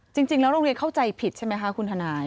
จริงแล้วโรงเรียนเข้าใจผิดใช่ไหมคะคุณทนาย